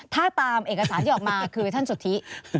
ถ้าตามเอกสารที่ออกมาคือท่านสุธิ